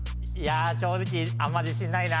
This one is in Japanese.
正直あんま自信ないな。